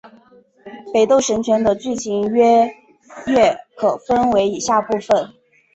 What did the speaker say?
北斗神拳的剧情约略可分为以下部分。